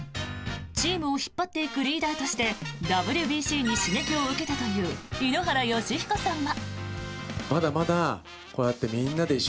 チームを引っ張っていくリーダーとしてＷＢＣに刺激を受けたという井ノ原快彦さんは。